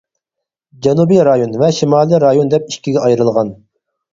جەنۇبىي رايون ۋە شىمالىي رايون دەپ ئىككىگە ئايرىلغان.